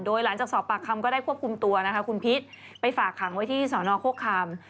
โดยหลังจากสอบปากคำก็ได้ควบคุมตัวนะคะคุณพิษไปฝากขังไว้ที่สอนอโฆคาม